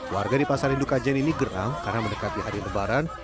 warga di pasar indukajen ini geram karena mendekati hari lebaran